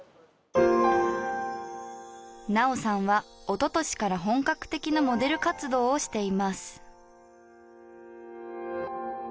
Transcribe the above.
菜桜さんはおととしから本格的なモデル活動をしています。